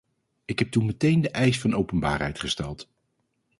Ik heb toen meteen de eis van openbaarheid gesteld.